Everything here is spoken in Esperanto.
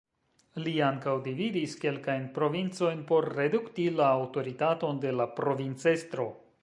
Li ankaŭ dividis kelkajn provincojn por redukti la aŭtoritaton de la provincestro.